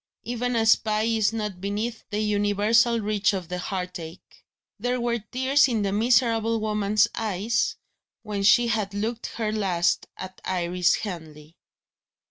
Even a spy is not beneath the universal reach of the heartache. There were tears in the miserable woman's eyes when she had looked her last at Iris Henley.